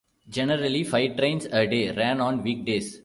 Generally five trains a day ran on weekdays.